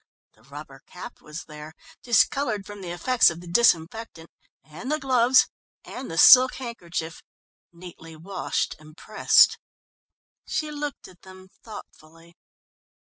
The rubber cap was there, discoloured from the effects of the disinfectant, and the gloves and the silk handkerchief, neatly washed and pressed. She looked at them thoughtfully.